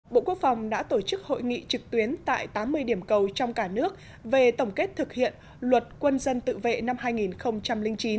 bộ quốc phòng đã tổ chức hội nghị trực tuyến tại tám mươi điểm cầu trong cả nước về tổng kết thực hiện luật quân dân tự vệ năm hai nghìn chín